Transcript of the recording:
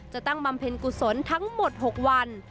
ตั้งบำเพ็ญกุศลทั้งหมด๖วัน